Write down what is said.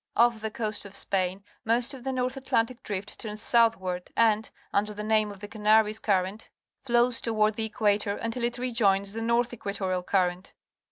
Off Jhe coast of Spain most o f the North Atlantic Drift turns southward, and, under the name of the Canaries Current, flows toward the equator until it rejoins the North Equatorial Current.